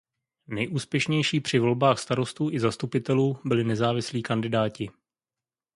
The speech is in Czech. Nejúspěšnější při volbách starostů i zastupitelů byli nezávislí kandidáti.